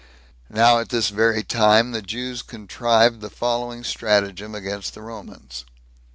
Now at this very time the Jews contrived the following stratagem against the Romans.